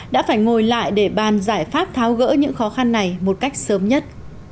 đã phải ngồi lại để bàn giải pháp tháo gỡ những khó khăn này một cách sớm nhất